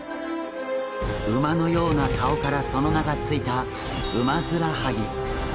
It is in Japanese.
馬のような顔からその名が付いたウマヅラハギ。